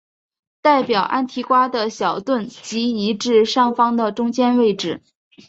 代表安提瓜的小盾即移至上方的中间位置。